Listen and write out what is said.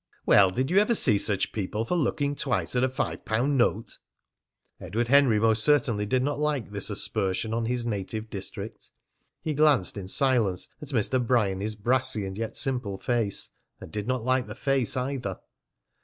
"Well, did you ever see such people for looking twice at a five pound note?" Edward Henry most certainly did not like this aspersion on his native district. He gazed in silence at Mr. Bryany's brassy and yet simple face, and did not like the face either.